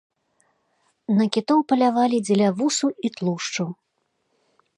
На кітоў палявалі дзеля вусу і тлушчу.